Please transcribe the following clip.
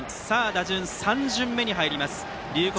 打順、３巡目に入ります龍谷